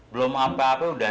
belum apa apa udah